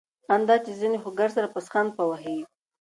آن دا چي ځيني خو ګرسره پسخند په وهي.